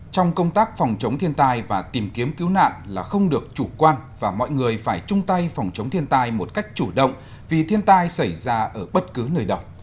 trong công tác phòng chống thiên tai và tìm kiếm cứu nạn là không được chủ quan và mọi người phải chung tay phòng chống thiên tai một cách chủ động vì thiên tai xảy ra ở bất cứ nơi đâu